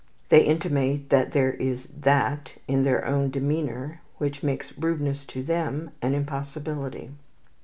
They intimate that there is that in their own demeanour which makes rudeness to them an impossibility.